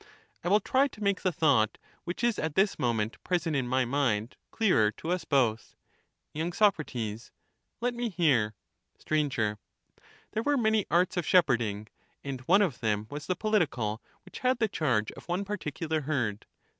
I will try to make the thought, which is at this moment present in my mind, clearer to us both. y. Soc. Let me hear. S/r. There were many arts of shepherding, and one of them was the political, which had the charge of one particular herd?